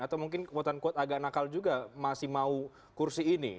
atau mungkin kekuatan kuat agak nakal juga masih mau kursi ini